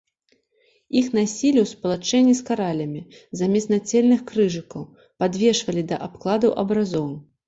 Іх насілі ў спалучэнні з каралямі, замест нацельных крыжыкаў, падвешвалі да абкладаў абразоў.